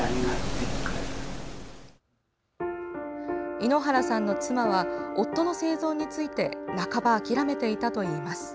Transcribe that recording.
猪原さんの妻は夫の生存について半ば諦めていたといいます。